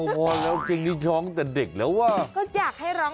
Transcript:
ไปกลับไม่ต้อง